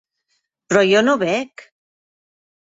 Però jo no bec.